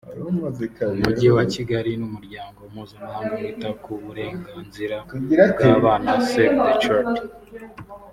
umujyi wa Kigali n’umuryango mpuzamahanga wita ku burenganzira bw’abana Save The Children